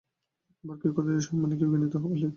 আবার কেউ কথিত সম্মানী, কেউ ঘৃণিত ও অবহেলিত।